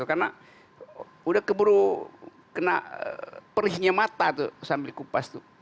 karena udah keburu kena perihnya mata tuh sambil kupas tuh